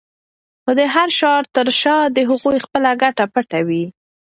خو د هر شعار تر شا د هغوی خپله ګټه پټه وي.